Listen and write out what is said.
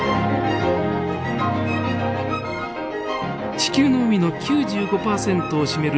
地球の海の９５％を占める深海。